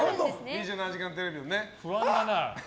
「２７時間テレビ」のね。